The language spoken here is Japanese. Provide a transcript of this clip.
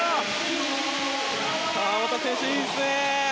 川真田選手、いいですね！